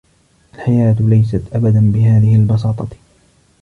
الحياة ليست أبدا بهذه البساطة.